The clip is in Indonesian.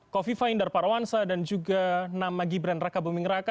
kofi fahindar parwansa dan juga nama gibran raka buming raka